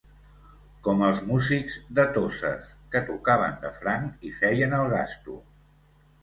Com els músics de Toses, que tocaven de franc i feien el «gasto».